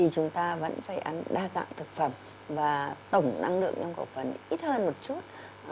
chúng ta vẫn phải ăn đa dạng thực phẩm và tổng năng lượng trong cổ phấn ít hơn một chút